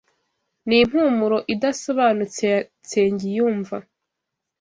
Nimpumuro idasobanutse ya nsengiyumva